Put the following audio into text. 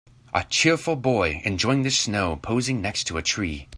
A cheerful boy enjoying the snow posing next to a tree.